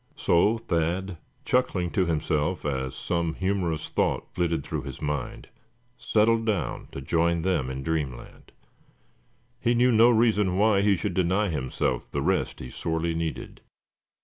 So Thad, chuckling to himself as some humorous thought flitted through his mind, settled down to join them in dreamland. He knew no reason why he should deny himself the rest he sorely needed.